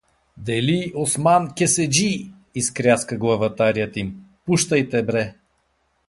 — Дели-Осман-Кеседжи! — изкряска главатарят им. — Пущайте бре!